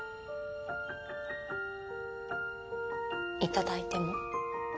いただいても。